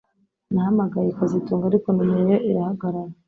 Nahamagaye kazitunga ariko numero ye irahagarara